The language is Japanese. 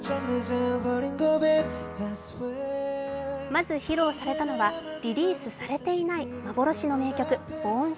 まず披露されたのはリリースされていない幻の名曲「ＢｏｒｎＳｉｎｇｅｒ」。